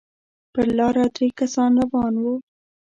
پر لاره درې کسه روان وو.